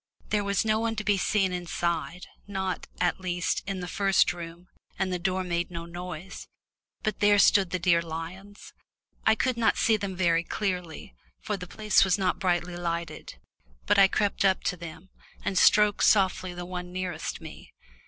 There was no one to be seen inside, not, at least, in the first room, and the door made no noise. But there stood the dear lions I could not see them very clearly, for the place was not brightly lighted, but I crept up to them, and stroked softly the one nearest me.